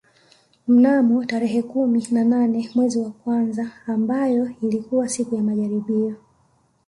Mnamo tarehe kumi na nane mwezi wa kwanza mbayo ilikuwa siku ya majaribio